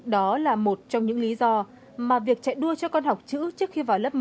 đó là một trong những lý do mà việc chạy đua cho con học chữ trước khi vào lớp một